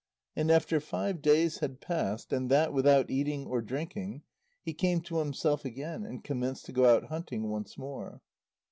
And after five days had passed, and that without eating or drinking, he came to himself again, and commenced to go out hunting once more.